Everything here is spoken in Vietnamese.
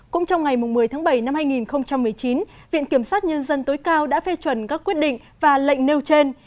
cũng trong ngày một mươi tháng bảy năm hai nghìn một mươi chín viện kiểm sát nhân dân tối cao đã phê chuẩn các quyết định và lệnh nêu trên